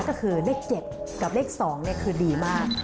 ก็คือเลข๗กับเลข๒คือดีมาก